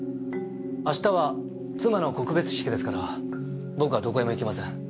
明日は妻の告別式ですから僕はどこへも行きません。